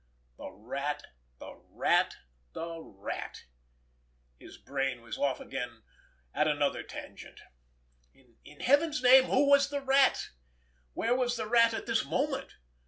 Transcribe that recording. The Rat! The Rat! The Rat! His brain was off again at another tangent. In Heaven's name, who was the Rat? Where was the Rat at this moment?